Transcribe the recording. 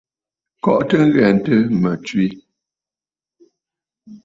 Kɔʼɔtə ŋghɛntə mə tswe.